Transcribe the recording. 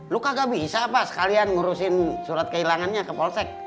lu kagak bisa pas kalian ngurusin surat kehilangannya ke polsek